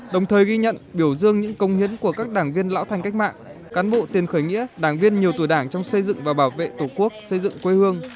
đồng thời ghi nhận biểu dương những công hiến của các đảng viên lão thành cách mạng cán bộ tiền khởi nghĩa đảng viên nhiều tuổi đảng trong xây dựng và bảo vệ tổ quốc xây dựng quê hương